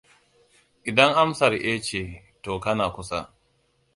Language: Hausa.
Idan amsar eh ce to kana kusa